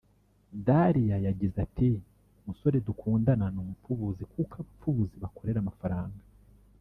Dariya yagize ati ”Umusore dukundana si umupfubuzi kuko abapfubuzi bakorera amafaranga